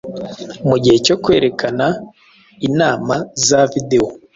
mugihe cyo kwerekana, inama za videwo